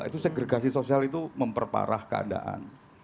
itu segregasi sosial itu memperparah keadaan